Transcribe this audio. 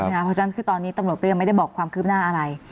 เพราะฉะนั้นคือตอนนี้ตำรวจก็ยังไม่ได้บอกความคืบหน้าอะไร